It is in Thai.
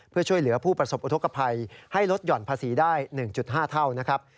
เพื่อช่วยเหลือผู้ประสบอุทธกภัยให้ลดห่อนภาษีได้๑๕เท่านะครับ